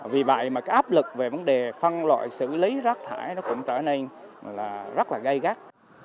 vì vậy áp lực về vấn đề phân loại xử lý rác thải cũng trở nên rất gây gác